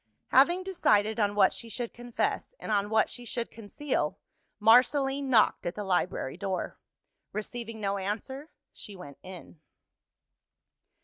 Having decided on what she should confess, and on what she should conceal, Marceline knocked at the library door. Receiving no answer, she went in.